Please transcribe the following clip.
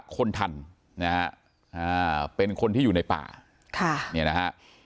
คนทันนะฮะเป็นคนที่อยู่ในป่าค่ะเนี่ยนะฮะ